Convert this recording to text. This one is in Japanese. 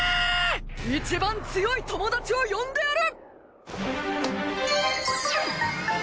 いちばん強い友達を呼んでやる！